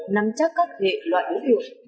nằm chắc các hệ loại đối tượng